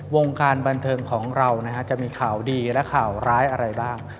วงการบันเทิงของเราจะมีข่าวดีและข่าวร้ายอะไรบ้าง